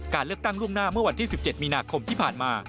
เลือกตั้งล่วงหน้าเมื่อวันที่๑๗มีนาคมที่ผ่านมา